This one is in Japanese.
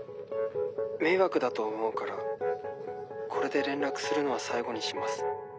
迷惑だと思うからこれで連絡するのは最後にします。